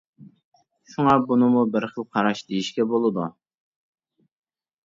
شۇڭا بۇنىمۇ بىر خىل قاراش دېيىشكە بولىدۇ.